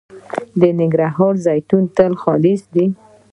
د ننګرهار د زیتون تېل خالص دي